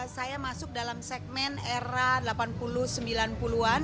saya masuk dalam segmen era delapan puluh sembilan puluh an